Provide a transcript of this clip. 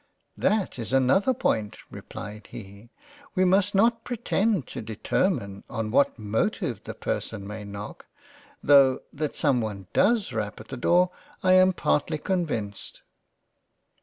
" That is another point (replied he ;) We must not pretend to determine on what motive the person may knock — tho' that someone does rap at the door, I am partly convinced."